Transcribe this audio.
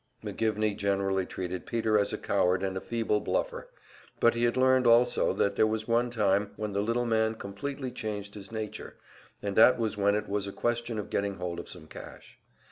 McGivney generally treated Peter as a coward and a feeble bluffer; but he had learned also that there was one time when the little man completely changed his nature, and that was when it was a question of getting hold of some cash.